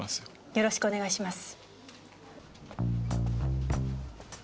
よろしくお願いします。